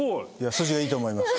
筋がいいと思います。